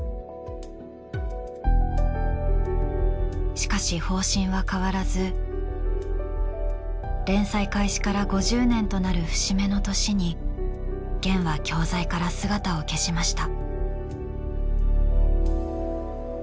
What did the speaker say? しかし方針は変わらず連載開始から５０年となる節目の年に『ゲン』は教材から姿を消しました。